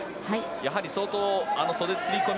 やはり相当袖釣り込み